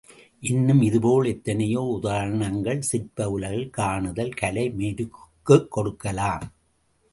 இன்னும் இதுபோல் எத்தனையோ உதாரணங்கள் சிற்ப உலகில் காணும் கலை மெருகுக்குக் கொடுக்கலாம்.